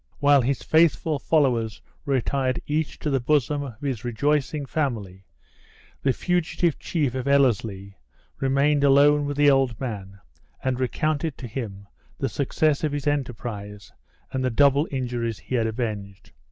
While his faithful followers retired each to the bosom of his rejoicing family, the fugitive chief of Ellerslie remained alone with the old man, and recounted to him the success of his enterprise, and the double injuries he had avenged.